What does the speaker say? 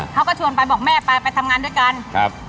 เขาก็ชวนไปบอกแม่ไปไปทำงานด้วยกันครับ